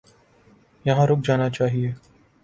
یہاں رک جانا چاہیے۔